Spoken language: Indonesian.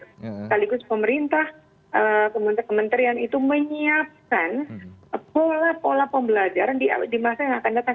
sekaligus pemerintah kementerian itu menyiapkan pola pola pembelajaran di masa yang akan datang